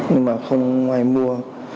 nhưng mà không ai mua